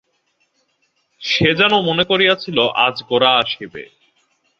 সে যেন মনে করিয়াছিল, আজ গোরা আসিবে।